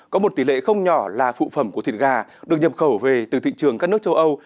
có một tỷ lệ không nhỏ là phụ phẩm của thịt gà được nhập khẩu về từ thị trường các nước châu âu